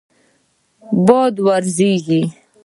باد لږیږی